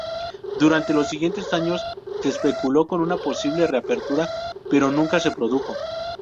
Durante los siguientes años se especuló con una posible reapertura que nunca se produjo.